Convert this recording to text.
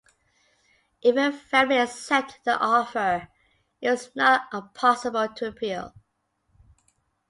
If a family accepted the offer, it was not possible to appeal.